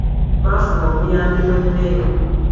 Twafuna obuyambi bw'emmere.